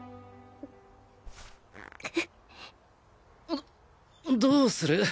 どどうする？